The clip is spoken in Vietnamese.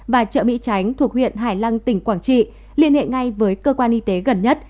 và chợ mỹ tránh thuộc huyện hải lăng tỉnh quảng trị liên hệ ngay với cơ quan y tế gần nhất